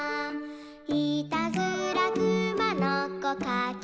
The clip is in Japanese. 「いたずらくまのこかけてきて」